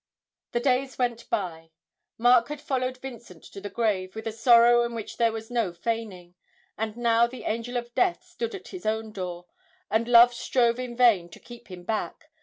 The days went by; Mark had followed Vincent to the grave, with a sorrow in which there was no feigning, and now the Angel of Death stood at his own door, and Love strove in vain to keep him back.